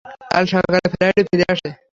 কাল সকালের ফ্লাইটে ফিরে আসছে।